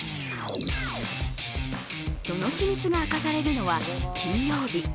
その秘密が明かされるのは金曜日。